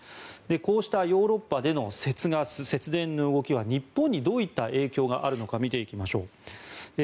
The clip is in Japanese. こうしたヨーロッパでの節ガス、節電の動きは日本にどういった影響があるのか見ていきましょう。